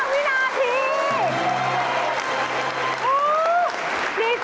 ๖๕วินาที